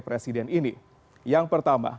presiden ini yang pertama